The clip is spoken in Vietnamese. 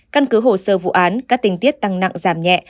căn cứ hồ sơ vụ án các tình tiết tăng nặng giảm nhẹ